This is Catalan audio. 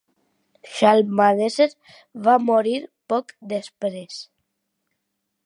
Shalmaneser va morir poc després.